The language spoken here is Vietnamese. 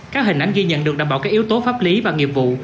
các hình ảnh ghi nhận được đảm bảo các yếu tố pháp lý và nghiệp vụ